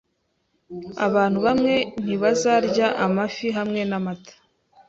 Abantu bamwe ntibazarya amafi hamwe namata.